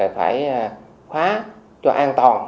phải khóa cho an toàn